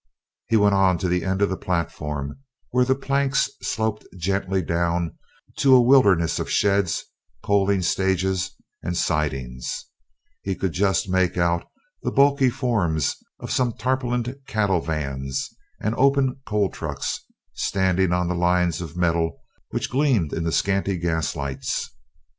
He went on to the end of the platform where the planks sloped gently down to a wilderness of sheds, coaling stages and sidings; he could just make out the bulky forms of some tarpaulined cattle vans and open coal trucks standing on the lines of metals which gleamed in the scanty gaslights.